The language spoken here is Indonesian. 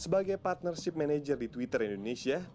sebagai partnership manager di twitter indonesia